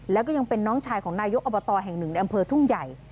แล้วก็ยังเป็นน้องชายของนายกอบตแห่งหนึ่งในอำเภอทุ่งใหญ่